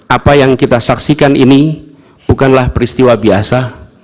apa yang kita saksikan ini bukanlah peristiwa biasa